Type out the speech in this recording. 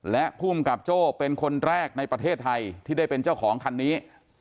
และภูมิกับโจ้เป็นคนแรกในประเทศไทยที่ได้เป็นเจ้าของคันนี้